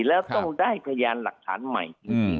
แล้วต้องได้พยานหลักฐานใหม่จริง